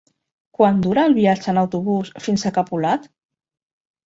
Quant dura el viatge en autobús fins a Capolat?